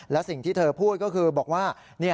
และสิ่งที่เธอพูดก็คือบอกว่า